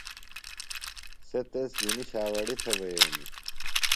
سےۡ تس گِھنی ݜاویڑہ تھےۡ بئینیۡ۔